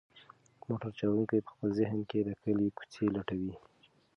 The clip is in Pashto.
موټر چلونکی په خپل ذهن کې د کلي کوڅې لټوي.